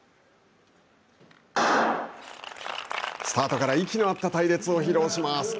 スタートから息の合った隊列を披露します。